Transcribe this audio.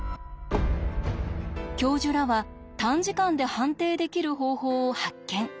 教授らは短時間で判定できる方法を発見。